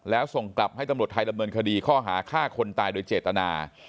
แล้วส่งกลับให้ตำรวจไทยดำเนินคดีข้อหาฆ่าคนตายโดยเจตนา